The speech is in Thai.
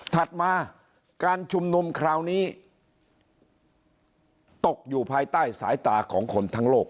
ถัดมาการชุมนุมคราวนี้ตกอยู่ภายใต้สายตาของคนทั้งโลก